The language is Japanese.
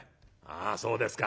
「ああそうですか。